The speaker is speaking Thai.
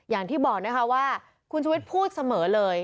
อย่างที่บอกนะคะว่าคุณชุวิตพูดเสมอเลย